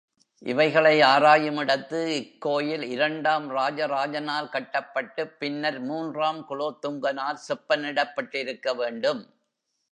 இவைகளை ஆராயுமிடத்து, இக்கோயில் இரண்டாம் ராஜராஜனால் கட்டப்பட்டுப் பின்னர் மூன்றாம் குலோத்துங்கனால் செப்பனிடப்பட்டிருக்கவேண்டும்.